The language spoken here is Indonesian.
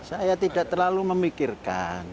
saya tidak terlalu memikirkan